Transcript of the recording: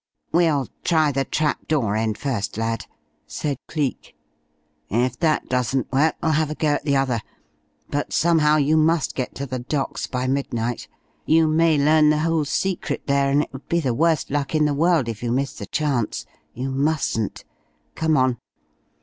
"We'll try the trap door end first, lad," said Cleek. "If that doesn't work we'll have a go at the other, but somehow you must get to the docks by midnight. You may learn the whole secret there, and it would be the worst luck in the world if you missed the chance; you mustn't. Come on."